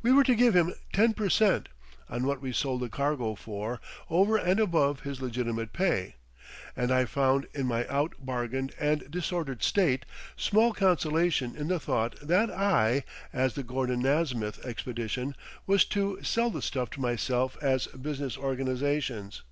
We were to give him ten per cent. on what we sold the cargo for over and above his legitimate pay, and I found in my out bargained and disordered state small consolation in the thought that I, as the Gordon Nasmyth expedition, was to sell the stuff to myself as Business Organisations.